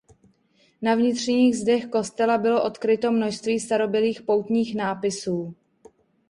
Na vnitřních zdech kostela bylo odkryto množství starobylých poutních nápisů.